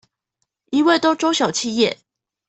因為都中小企業？